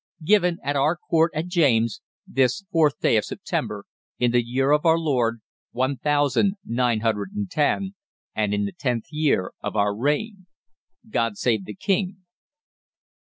Given at Our Court at James', this fourth day of September, in the year of our Lord, one thousand nine hundred and ten, and in the tenth year of Our Reign. =GOD SAVE THE KING.